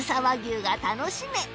和牛が楽しめ